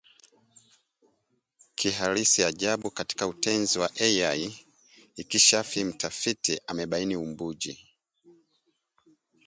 kihalisiajabu katika Utenzi wa Al-Inkishafi mtafiti amebaini umbuji